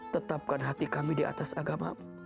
tetapkan hati kami di atas agamamu